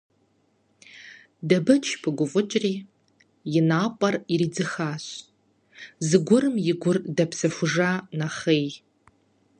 Дэбэч пыгуфӀыкӀри, и напӀэр иридзыхащ, зыгуэрым и гур дэпсэхужа нэхъей.